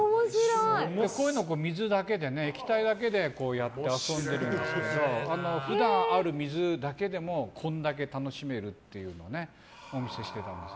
こういうのを水だけで液体だけでやって遊んでるんですけど普段ある水だけでもこんだけ楽しめるっていうのをお見せしてたんです。